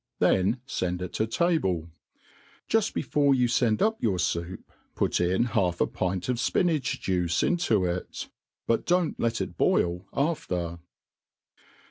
Then fend it to table, Jufl before you fend up your foup, put in half a pint of fpi pach'juice into it } but don't let it boil after.